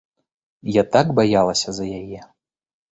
Я так баялася за яе.